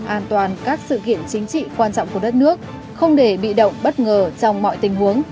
an toàn các sự kiện chính trị quan trọng của đất nước không để bị động bất ngờ trong mọi tình huống